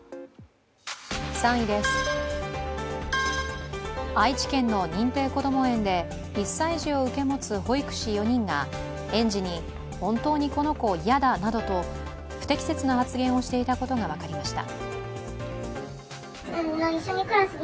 ３位です、愛知県の認定こども園で１歳児を受け持つ保育士４人が園児に、本当にこの子、嫌だなどと不適切な発言をしていたことが分かりました。